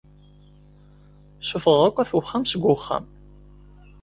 Suffɣeɣ akk at wexxam seg wexxam.